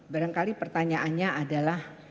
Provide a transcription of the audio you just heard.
barangkali pertanyaannya adalah